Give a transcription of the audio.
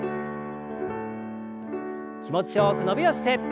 気持ちよく伸びをして。